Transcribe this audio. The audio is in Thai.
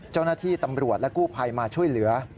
เจ้าหน้าที่ตำรวจและกู้ภัยมาช่วยเหลือ